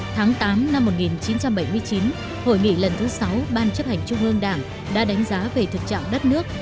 tháng tám năm một nghìn chín trăm bảy mươi chín hội nghị lần thứ sáu ban chấp hành trung ương đảng đã đánh giá về thực trạng đất nước